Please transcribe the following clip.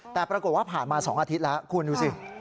แต่ปรากฏว่าผ่านมา๒อาทิตย์แล้วคุณดูสิ